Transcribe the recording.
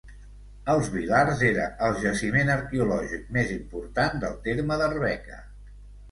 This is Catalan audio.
Els Vilars era el jaciment arqueològic més important del terme d'Arbeca.